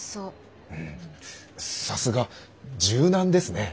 うんさすが柔軟ですね。